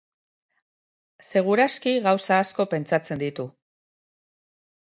Segur aski gauza asko pentsatzen ditu.